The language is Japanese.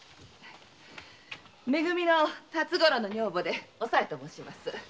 「め組」の辰五郎の女房で“おさい”と申します。